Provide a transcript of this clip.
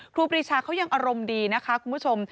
ครีชาเขายังอารมณ์ดีนะคะคุณผู้ชม